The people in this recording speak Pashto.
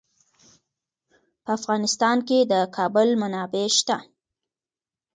په افغانستان کې د کابل منابع شته.